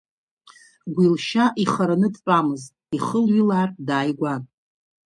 Гәилшьа ихараны дтәамызт, ихылҩылаартә дааигәан.